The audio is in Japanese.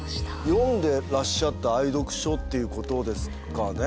読んでらっしゃった愛読書っていうことですかね。